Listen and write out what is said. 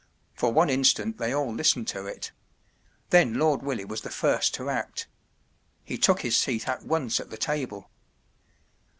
For one instant they all listened to it. Then Lord Willie was the first to act. He took his seat at once at the table.